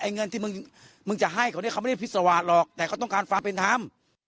เงินที่มึงมึงจะให้เขาเนี่ยเขาไม่ได้พิสวาสหรอกแต่เขาต้องการความเป็นธรรม